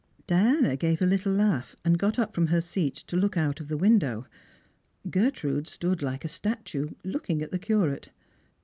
Diana gave a little laugh, and Sot up from her seat to look out of the window. Gertrude stood ke a statue, looking at the Curate.